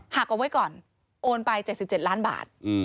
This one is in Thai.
หักเอาไว้ก่อนโอนไป๗๗ล้านบาท